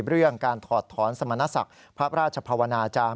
เรื่องการถอดถอนสมณศักดิ์พระราชภาวนาจารย์